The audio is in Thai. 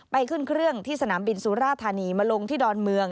ขึ้นเครื่องที่สนามบินสุราธานีมาลงที่ดอนเมือง